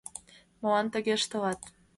Молан тыге ыштылат?